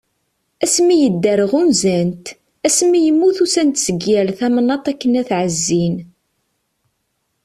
Asmi yedder ɣunzan-t, asmi yemmut usan-d seg yal tamnaḍt akken ad t-ɛezzin.